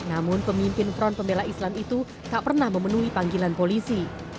namun pemimpin front pembela islam itu tak pernah memenuhi panggilan polisi